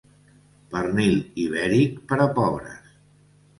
Pernil ibèric per a pobres.